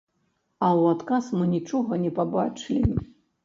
А ў адказ мы нічога не пабачылі.